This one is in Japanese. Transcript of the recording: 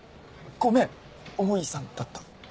ごめん大井さんだった。